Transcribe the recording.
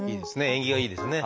縁起がいいですね。